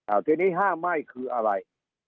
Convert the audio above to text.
เอ่อทีนี้๕ไม้คืออะไร